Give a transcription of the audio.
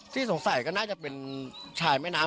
สงสัยก็น่าจะเป็นชายแม่น้ำ